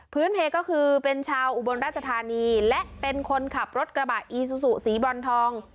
เทก็คือเป็นชาวอุบลราชธานีและเป็นคนขับรถกระบะอีซูซูสีบรอนทอง